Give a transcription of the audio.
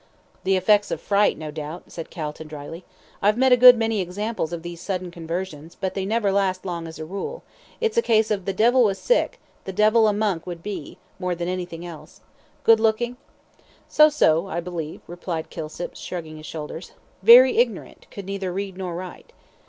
"The effects of fright, no doubt," said Calton, dryly. "I've met a good many examples of these sudden conversions, but they never last long as a rule it's a case of 'the devil was sick, the devil a monk would be,' more than anything else. Good looking?" "So so, I believe," replied Kilsip, shrugging his shoulders. "Very ignorant could neither read nor write."